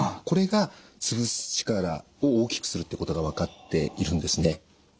これがつぶす力を大きくするってことが分かっているんですね。